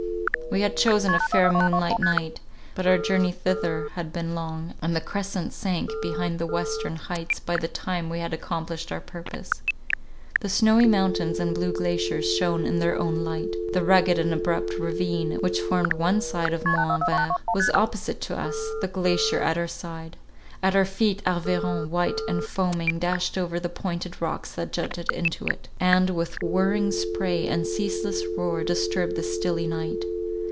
We had chosen a fair moonlight night, but our journey thither had been long, and the crescent sank behind the western heights by the time we had accomplished our purpose. The snowy mountains and blue glaciers shone in their own light. The rugged and abrupt ravine, which formed one side of Mont Anvert, was opposite to us, the glacier at our side; at our feet Arveiron, white and foaming, dashed over the pointed rocks that jutted into it, and, with whirring spray and ceaseless roar, disturbed the stilly night.